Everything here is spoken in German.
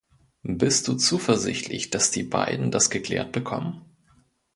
Bist du zuversichtlich, dass die beiden das geklärt bekommen?